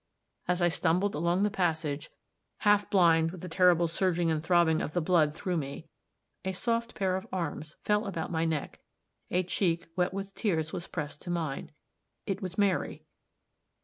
As I stumbled along the passage, half blind with the terrible surging and throbbing of the blood through me, a soft pair of arms fell about my neck, a cheek wet with tears was pressed to mine it was Mary.